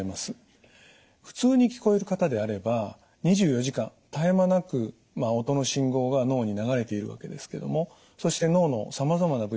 普通に聞こえる方であれば２４時間絶え間なく音の信号が脳に流れているわけですけどもそして脳のさまざまな部位が活動します。